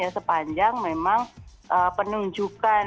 sepanjang memang penunjukan